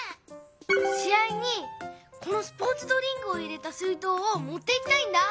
し合にこのスポーツドリンクを入れた水とうをもっていきたいんだ。